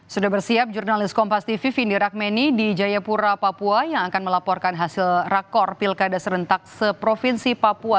sudah bersiap jurnalis kompas tv vindi rakmeni di jayapura papua yang akan melaporkan hasil rakor pilkada serentak seprovinsi papua